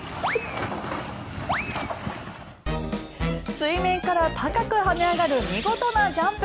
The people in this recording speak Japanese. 水面から高く跳ね上がる見事なジャンプ。